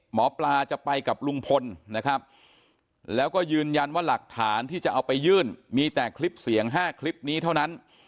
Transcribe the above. หมอปลาจะไปกับลุงพลนะครับแล้วก็ยืนยันว่าหลักฐานที่จะเอาไปยื่น